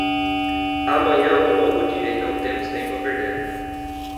Amanhã é um longo dia e não temos tempo a perder.